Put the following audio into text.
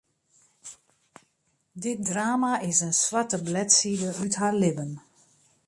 Dit drama is in swarte bledside út har libben.